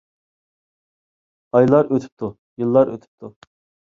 ئايلار ئۆتۈپتۇ، يىللار ئۆتۈپتۇ.